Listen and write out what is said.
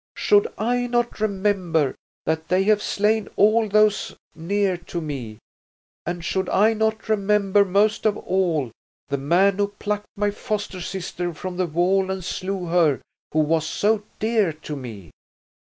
Should I not remember that they have slain all those near to me, and should I not remember most of all the man who plucked my foster sister from the wall and slew her who was so dear to me?"